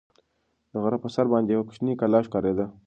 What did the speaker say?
د غره په سر باندې یوه کوچنۍ کلا ښکارېده.